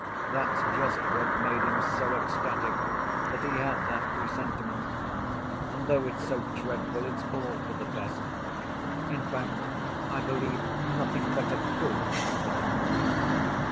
That's just what made him so ecstatic, that he had that presentiment.... And though it's so dreadful, it's all for the best. In fact, I believe nothing better could have happened."